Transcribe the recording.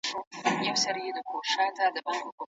ایا پايلي مو شریکي کړې؟